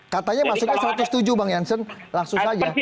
katanya masuknya satu ratus tujuh bang jansen langsung saja